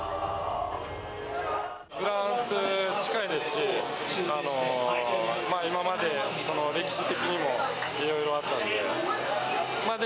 フランス、近いですし今まで歴史的にもいろいろあったので。